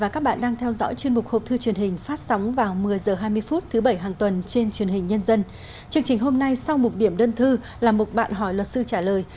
chương trình hôm nay sau một điểm đơn thư là một bạn hỏi luật sư trả lời